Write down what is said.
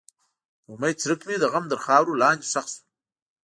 د امید څرک مې د غم تر خاورو لاندې ښخ شو.